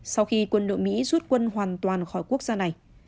sau khi quân đội mỹ rút quân hoàn toàn khỏi quốc gia này